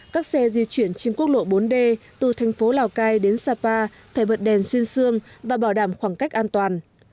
các xe di chuyển trên quốc lộ bốn d từ thành phố lào cai đến sapa phải vượt đèn xuyên xương và bảo đảm khoảng cách an toàn